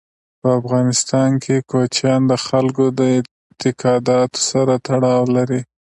په افغانستان کې کوچیان د خلکو د اعتقاداتو سره تړاو لري.